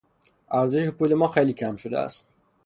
ارزش پول ما خیلی کم شده است.